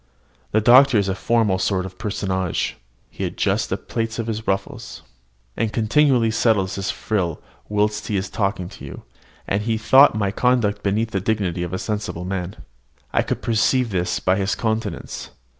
The doctor is a formal sort of personage: he adjusts the plaits of his ruffles, and continually settles his frill whilst he is talking to you; and he thought my conduct beneath the dignity of a sensible man. I could perceive this by his countenance.